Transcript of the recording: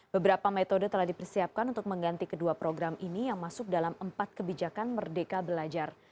beberapa metode telah dipersiapkan untuk mengganti kedua program ini yang masuk dalam empat kebijakan merdeka belajar